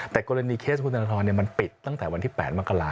แต่กรณีเคสคุณธนทรมันปิดตั้งแต่วันที่๘มกราศ